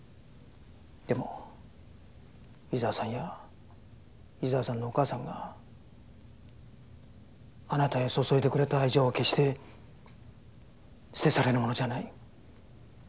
でも伊沢さんや伊沢さんのお母さんがあなたへ注いでくれた愛情は決して捨て去れるものじゃない。